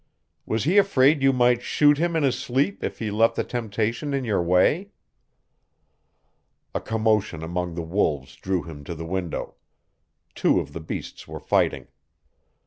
Was he afraid you might shoot him in his sleep if he left the temptation in your way?" A commotion among the wolves drew him to the window. Two of the beasts were fighting.